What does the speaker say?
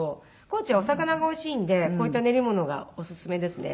高知はお魚がおいしいんでこういった練り物がオススメですね。